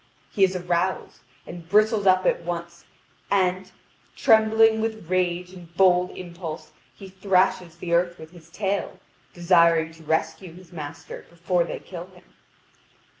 He is aroused, and bristles up at once, and, trembling with rage and bold impulse, he thrashes the earth with his tail, desiring to rescue his master before they kill him.